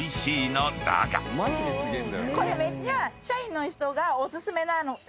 これめっちゃ。